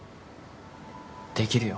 できるよ